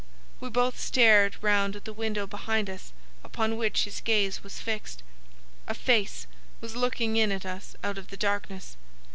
We both stared round at the window behind us upon which his gaze was fixed. A face was looking in at us out of the darkness.